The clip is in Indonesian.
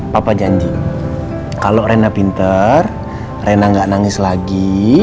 papa janji kalau rena pinter rena gak nangis lagi